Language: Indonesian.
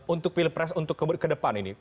untuk pilpres untuk ke depan ini